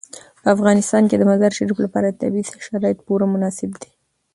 په افغانستان کې د مزارشریف لپاره طبیعي شرایط پوره مناسب دي.